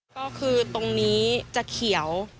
ก็คือตรงนี้จะเขียว